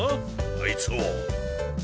あいつを。